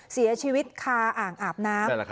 เสียชีวิตคาอ่างอาบน้ำ